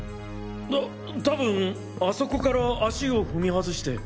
たたぶんあそこから足を踏み外して。